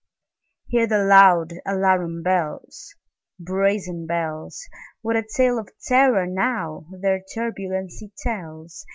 Hear the loud alarum bells, Brazen bells! What a tale of terror, now, their turbulency tells!